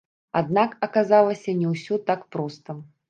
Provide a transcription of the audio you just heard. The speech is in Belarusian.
Аднак, аказалася, не ўсё так проста.